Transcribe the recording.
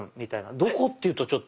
どこっていうとちょっと。